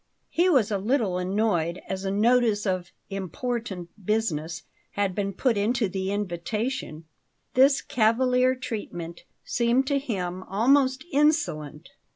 He was a little annoyed, as a notice of "important business" had been put into the invitation; this cavalier treatment seemed to him almost insolent.